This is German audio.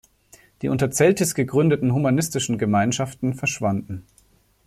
Die unter Celtis gegründeten humanistischen Gemeinschaften verschwanden.